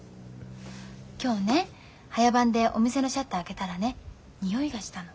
今日ね早番でお店のシャッター開けたらね匂いがしたの。